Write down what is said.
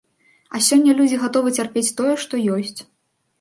А сёння людзі гатовы цярпець тое, што ёсць.